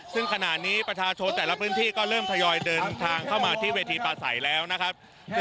ซึ่งขณะนี้ประชาชนแต่ละพื้นที่ก็เริ่มทยอยเดินทางเข้ามาที่เวทีปลาใสแล้วนะครับ